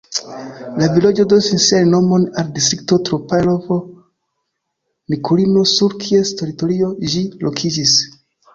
La vilaĝo donis sian nomon al distrikto Troparjovo-Nikulino, sur kies teritorio ĝi lokiĝis.